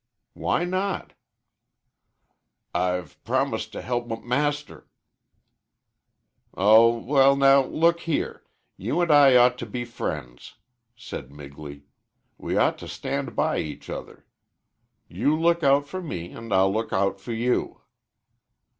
"Why not?" "I've promised to help M Master." "Oh, well, now, look here you and I ought to be friends," said Migley. "We ought to stand by each other. You look out for me and I'll look out for you."